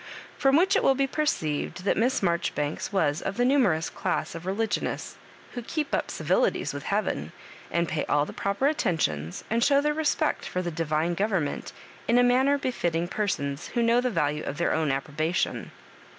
From which it will be perceived that Miss Marjoribanks was of the numerous class of re ligionists who keep up civilities with heaven, and pay all the proper attentions, and show their respect for the divine government in^ manner befitting persons who know the value of their own approbation.